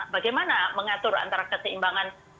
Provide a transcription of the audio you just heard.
bagaimana mengatur antara keseimbangan